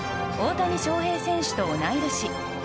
大谷翔平選手と同い年。